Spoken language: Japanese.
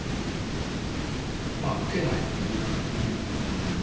まあ手ないとみんな見るんですよね。